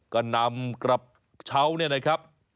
ก็นำกระเช้า